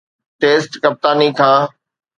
test ڪپتاني کان